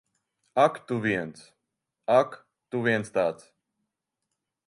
Ak tu viens. Ak, tu viens tāds!